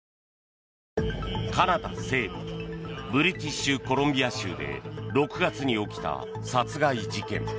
カナダ西部ブリティッシュコロンビア州で６月に起きた殺害事件。